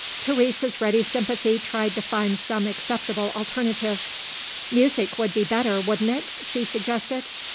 Teresa's ready sympathy tried to find some acceptable alternative. "Music would be better, wouldn't it?" she suggested.